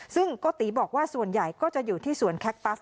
ซึ่งโกติบอกว่าส่วนใหญ่ก็จะอยู่ที่สวนแคคตัส